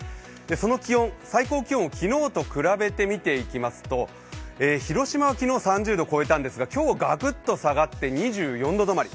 その気温、最高気温を昨日と比べて見てみますと広島は昨日３０度を超えたんですが、今日はガクッと下がって２４度止まり。